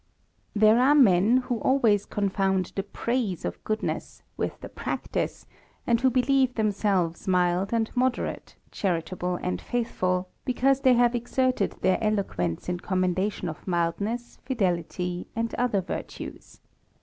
There are men who always confound the praise oi gp6dness with the practice, and who believe themselves ./mild and moderate, charitable and faithful, because they have exerted their eloquence in commendation of mildness, fidelity, and other virtues.